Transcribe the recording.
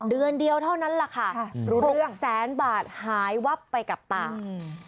เดือนเดียวเท่านั้นร้าค่ะ๖๐๐๐๐๐บาทหายวับไปกับต่าง